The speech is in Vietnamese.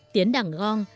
tiến đàn gong